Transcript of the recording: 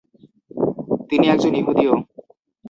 তিনি একজন ইহুদিও।